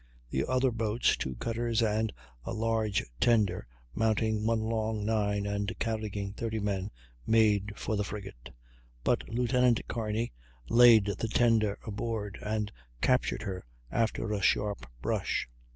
The other boats two cutters, and a large tender mounting one long nine and carrying 30 men made for the frigate; but Lieut. Kearney laid the tender aboard and captured her after a sharp brush.